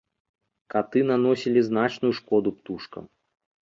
Каты наносілі значную шкоду птушкам.